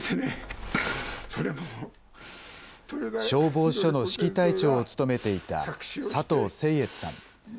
消防署の指揮隊長を務めていた佐藤誠悦さん。